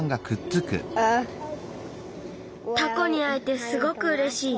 タコにあえてすごくうれしい。